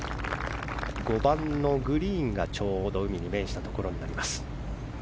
５番のグリーンがちょうど海に面したところ。